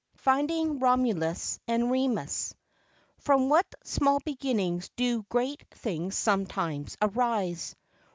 Finding Romulus and Remus. From what small beginnings do great things sometimes arise.